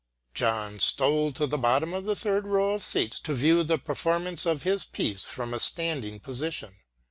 John stole to the bottom of the third row of seats to view the performance of his piece from a standing position.